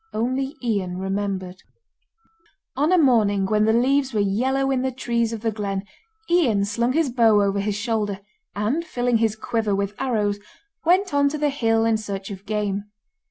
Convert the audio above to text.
Only Ian remembered. On a morning when the leaves were yellow in the trees of the glen, Ian slung his bow over his shoulder, and filling his quiver with arrows, went on to the hill in search of game.